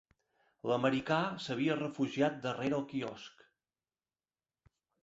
L'americà s'havia refugiat darrere el quiosc